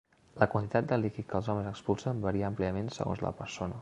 La quantitat de líquid que els homes expulsen varia àmpliament segons la persona.